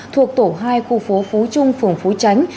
thuộc tổ hai khu phố phú trung phường phú tránh